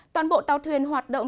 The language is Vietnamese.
toàn bộ tàu thuyền hoạt động